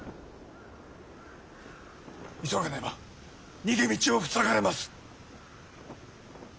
急がねば逃げ道を塞がれます。